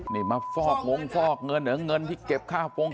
นี่มาฟอกงงฟอกเงินเหรอเงินที่เก็บค่าฟง